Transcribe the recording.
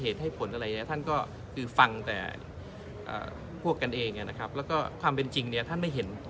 ท่านก็คือฟังแต่พวกกันเองนะครับแล้วก็ความเป็นจริงเนี่ยท่านไม่เห็น